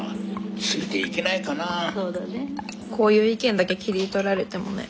こういう意見だけ切り取られてもね。